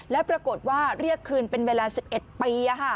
แล้วปรากฏว่าเรียกคืนเป็นเวลา๑๑ปี